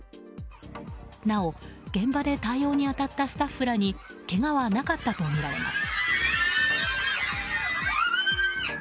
なお、現場で対応に当たったスタッフらにけがはなかったとみられます。